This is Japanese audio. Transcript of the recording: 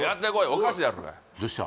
おかしいやろがどうした？